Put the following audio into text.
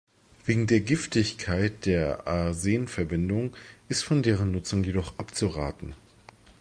Wegen der Giftigkeit der Arsenverbindungen ist von deren Nutzung jedoch abzuraten.